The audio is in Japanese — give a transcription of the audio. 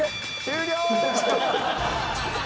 終了。